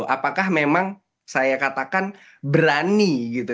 apakah memang saya katakan berani gitu